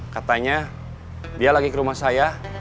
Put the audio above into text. katanya dia lagi ke rumah saya